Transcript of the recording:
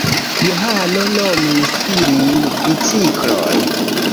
Johano nomis ilin bicikloj.